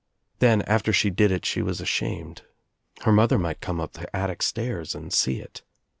Then after she did it she was ashamed. Her mother might come up the attic stairs and see it.